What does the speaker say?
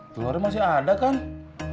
telurnya masih ada kan